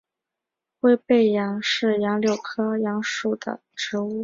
灰背杨是杨柳科杨属的植物。